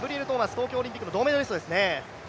東京オリンピックの銅メダリストですね。